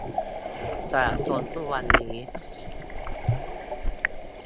จนตราบทุกวันนี้